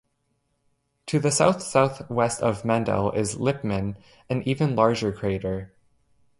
To the south-southwest of Mendel is Lippmann, an even larger crater.